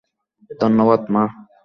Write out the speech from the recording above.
ধন্যবাদ, মা।